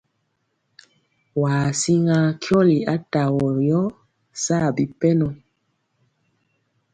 Waa siŋa kyɔli atavɔ yɔ saa bipɛnɔ.